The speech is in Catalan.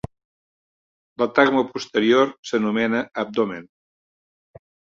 La tagma posterior s'anomena abdomen.